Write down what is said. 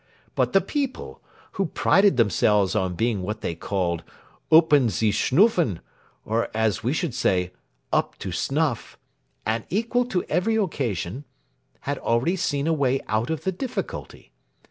But the people, who prided themselves on being what they called üppen zie schnuffen, or, as we should say, "up to snuff," and equal to every occasion, had already seen a way out of the difficulty.